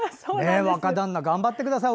若旦那、頑張ってください。